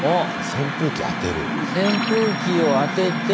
扇風機を当てて。